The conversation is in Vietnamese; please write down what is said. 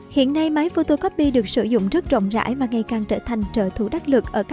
hiện nay máy photocopy được sử dụng rất rộng rãi và ngày càng trở thành trợ thủ đắc lực